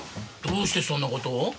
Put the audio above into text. どうしてそんな事を？